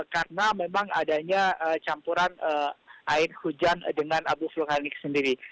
karena memang adanya campuran air hujan dengan abu vulkanik sendiri